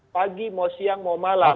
pagi mau siang mau malam